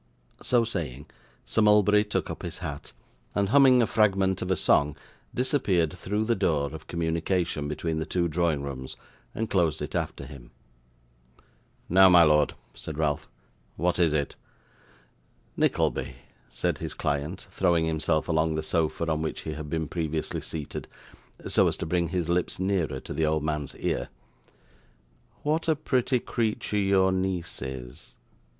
So saying, Sir Mulberry took up his hat, and humming a fragment of a song disappeared through the door of communication between the two drawing rooms, and closed it after him. 'Now, my lord,' said Ralph, 'what is it?' 'Nickleby,' said his client, throwing himself along the sofa on which he had been previously seated, so as to bring his lips nearer to the old man's ear, 'what a pretty creature your niece is!